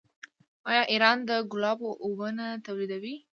آیا ایران د ګلابو اوبه نه تولیدوي؟